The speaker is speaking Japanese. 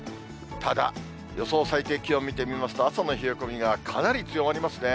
ただ、予想最低気温見てみますと、朝の冷え込みがかなり強まりますね。